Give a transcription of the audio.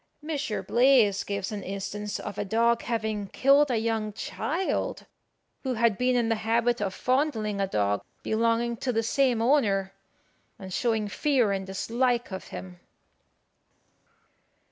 Mons. Blaze gives an instance of a dog having killed a young child, who had been in the habit of fondling a dog belonging to the same owner, and showing fear and dislike of him.